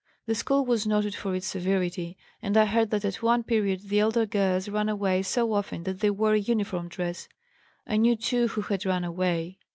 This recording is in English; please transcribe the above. The school was noted for its severity and I heard that at one period the elder girls ran away so often that they wore a uniform dress. I knew two who had run away.